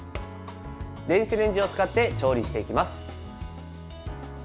電子レンジを使って調理していきます。